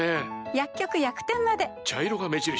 薬局・薬店まで茶色が目印！